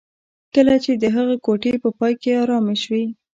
کله چې د هغه ګوتې په پای کې ارامې شوې